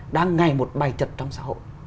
đang ngày một bày trật trong xã hội